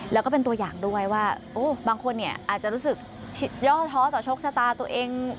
แล้วก็เป็นตัวอย่างด้วยว่าบางคนเนี่ยอาจจะรู้สึกย่อท้อต่อโชคชะตาตัวเอง